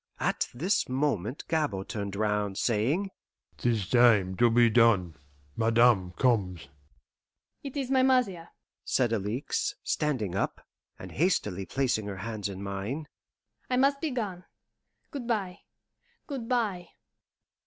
At this moment Gabord turned round, saying, "'Tis time to be done. Madame comes." "It is my mother," said Alixe, standing up, and hastily placing her hands in mine.